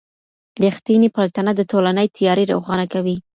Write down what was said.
ریښتینې پلټنه د ټولني تیارې روښانه کوي.